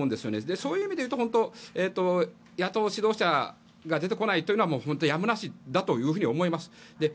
そういう意味でいうと野党指導者が出てこないというのは本当にやむなしだというふうに思います。